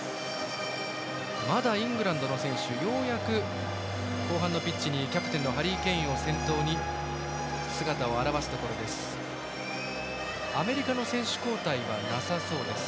イングランドの選手がようやく後半のピッチにキャプテンのハリー・ケインを先頭に姿を現すところです。